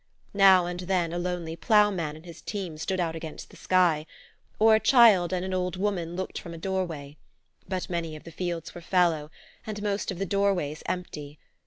Now and then a lonely ploughman and his team stood out against the sky, or a child and an old woman looked from a doorway; but many of the fields were fallow and most of the doorways empty.